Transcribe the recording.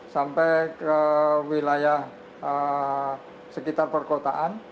sampai ke wilayah sekitar perkotaan